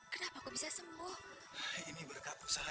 ssen nina penguasa sekolahanduan tribun barnak jawa